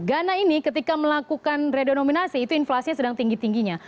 ghana ini ketika melakukan redenominasi itu inflasinya sedang tinggi tingginya